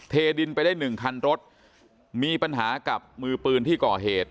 ดินไปได้หนึ่งคันรถมีปัญหากับมือปืนที่ก่อเหตุ